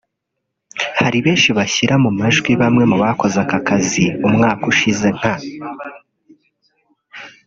hari benshi bashyira mu majwi bamwe mu bakoze aka kazi umwaka ushize nka